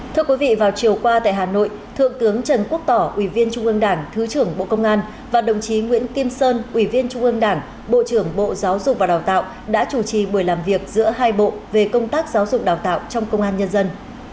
thưa quý vị vào chiều qua tại hà nội thượng tướng trần quốc tỏ ủy viên trung ương đảng thứ trưởng bộ công an và đồng chí nguyễn kim sơn ủy viên trung ương đảng bộ trưởng bộ giáo dục và đào tạo đã chủ trì buổi làm việc giữa hai bộ về công tác giáo dục đào tạo trong công an nhân dân